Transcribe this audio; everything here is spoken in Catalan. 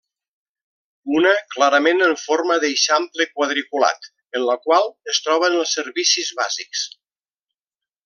Una clarament en forma d'eixample quadriculat en la qual es troben els servicis bàsics.